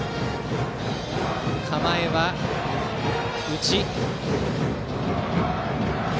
構えは内。